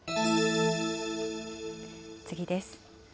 次です。